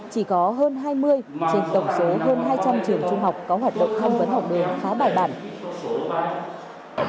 chỉ có hơn hai mươi trên tổng số hơn hai trăm linh trường trung học có hoạt động tham vấn học nghề khá bài bản